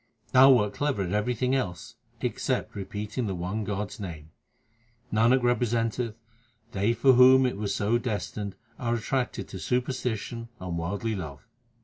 Thou wert clever at everything else except repeating the one God s name. Nanak representeth they for whom it was so destined are attracted to superstition and worldly love.